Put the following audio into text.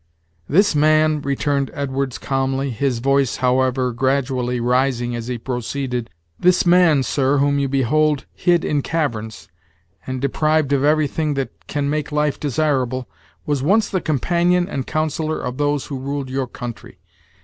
"This man," returned Edwards calmly, his voice, how ever, gradually rising as he proceeded; "this man, sir, whom you behold hid in caverns, and deprived of every thing that can make life desirable, was once the companion and counsellor of those who ruled your country.